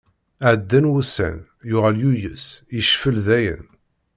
Ɛeddan wussan, yuɣal yuyes, yefcel dayen.